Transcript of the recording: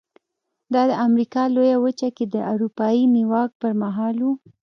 دا د امریکا لویه وچه کې د اروپایي نیواک پر مهال و.